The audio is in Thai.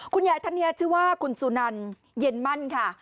คุณยายท่านนี้ชื่อว่าคุณสุนันเย็นมั่นค่ะ